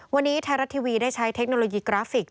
วันนี้ไทยรัฐทีวีได้ใช้เทคโนโลยีกราฟิก